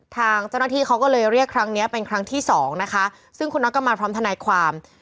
ทางเจ้าหน้าที่เขาก็เลยเรียกครั้งนี้เป็นครั้งที่สองนะคะซึ่งคุณน็อตก็มาพร้อมทนายความ